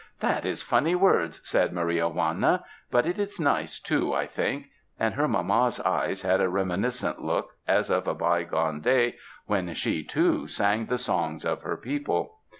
''That is funny words," said Maria Juana, "but it is nice, too, I think," and her mama's eyes had a reminiscent look as of a bygone day when she, too, sang the songs of her people.